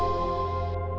kita akan berpisah sama sama